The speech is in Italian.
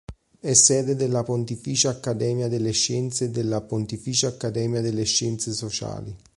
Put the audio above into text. È sede della Pontificia Accademia delle Scienze e della Pontificia Accademia delle Scienze Sociali.